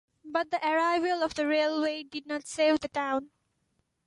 But the arrival of the railway did not save the town.